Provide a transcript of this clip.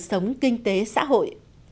sống kinh tế xã hội